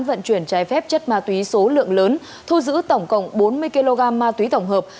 vận chuyển trái phép chất ma túy số lượng lớn thu giữ tổng cộng bốn mươi kg ma túy tổng hợp